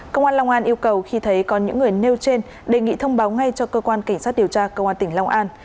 công an long an yêu cầu khi thấy có những người nêu trên đề nghị thông báo ngay cho cơ quan cảnh sát điều tra công an tỉnh long an